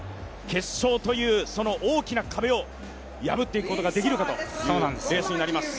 決勝という、その大きな壁を破っていくことができるかというレースになります。